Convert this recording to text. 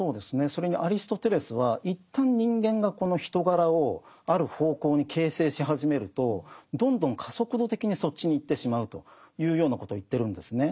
それにアリストテレスは一旦人間がこの人柄をある方向に形成し始めるとどんどん加速度的にそっちに行ってしまうというようなことを言ってるんですね。